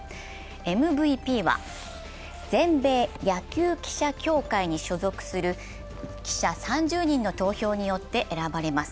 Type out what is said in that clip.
ＭＶＰは全米野球記者協会に所属する記者３０人の投票によって選ばれます。